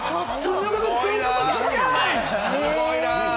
すごいな！